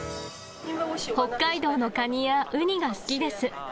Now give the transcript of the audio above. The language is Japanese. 北海道のカニやウニが好きです。